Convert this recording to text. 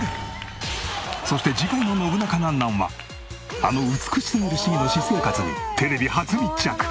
そして次回の『ノブナカなんなん？』はあの美しすぎる市議の私生活にテレビ初密着。